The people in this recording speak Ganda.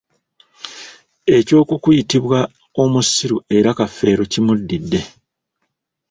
Eky'okukuyitibwa omussiru era Kafeero kimuddidde.